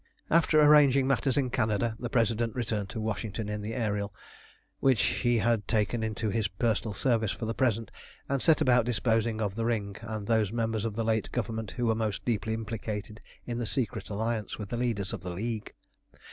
After arranging matters in Canada the President returned to Washington in the Ariel, which he had taken into his personal service for the present, and set about disposing of the Ring and those members of the late Government who were most deeply implicated in the secret alliance with the leaders of the League.